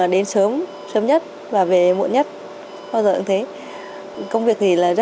chị thường đến sớm nhất và về muộn nhất bao giờ cũng thế công việc thì là nhiều